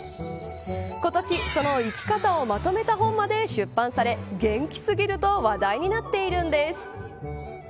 今年、その生き方をまとめた本まで出版され元気過ぎると話題になっているんです。